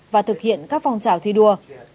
và thực hiện các phong trào thi đua